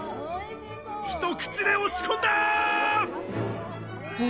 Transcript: ひと口で押し込んだ！